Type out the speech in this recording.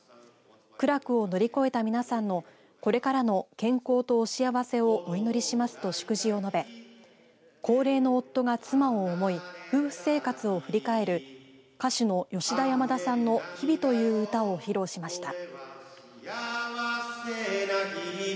苦楽を乗り越えた皆さんのこれからの健康とお幸せをお祈りしますと祝辞を述べ、高齢の夫が妻を思い夫婦生活を振り返る歌手の吉田山田さんの日々という歌を披露しました。